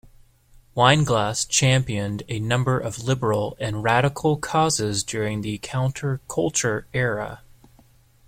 Weinglass championed a number of liberal and radical causes during the counterculture era.